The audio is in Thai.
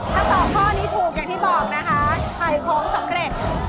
ถ้าตอบข้อนี้ถูกอย่างที่บอกนะคะถ่ายของสำเร็จ